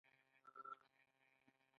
لږڅه شورمي د ځواني وًپټ ساتلی